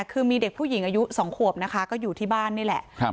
คือมีเด็กผู้หญิงอายุ๒ขวบนะคะก็อยู่ที่บ้านนี่แหละ